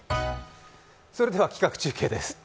それでは企画中継です。